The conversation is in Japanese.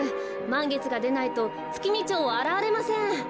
まんげつがでないとツキミチョウはあらわれません。